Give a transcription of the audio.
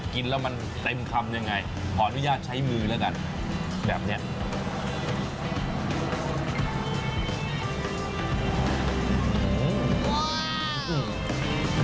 กินแล้วมันเต็มคำยังไงขออนุญาตใช้มือแล้วกันแบบเนี้ย